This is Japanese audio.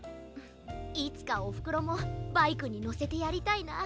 いつかおふくろもバイクにのせてやりたいな。